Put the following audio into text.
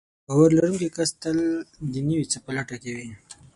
باور لرونکی کس تل د نوي څه په لټه کې وي.